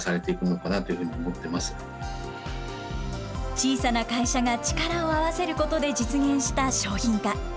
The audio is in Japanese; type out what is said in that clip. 小さな会社が力を合わせることで実現した商品化。